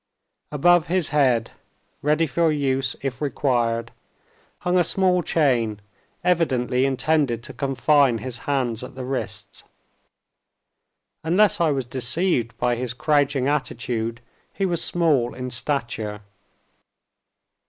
Above his head, ready for use if required, hung a small chain evidently intended to confine his hands at the wrists. Unless I was deceived by his crouching attitude, he was small in stature.